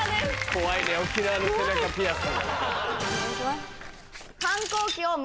怖いね沖縄の背中ピアス。